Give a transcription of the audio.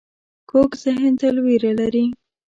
کوږ ذهن تل وېره لري